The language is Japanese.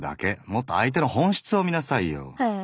もっと相手の本質を見なさいよ。え？